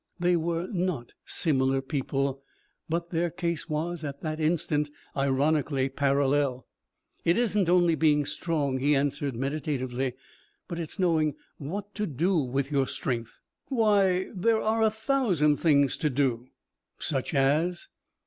They were not similar people, but their case was, at that instant, ironically parallel. "It isn't only being strong," he answered meditatively, "but it's knowing what to do with your strength." "Why there are a thousand things to do." "Such as?"